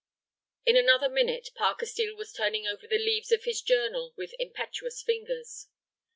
In another minute Parker Steel was turning over the leaves of his journal with impetuous fingers.